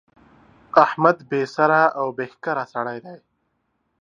احمد بې سره او بې ښکره سړی دی.